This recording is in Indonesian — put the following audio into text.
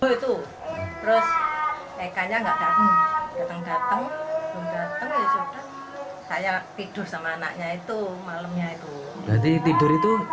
itu terus ekanya enggak datang datang saya tidur sama anaknya itu malamnya itu jadi tidur itu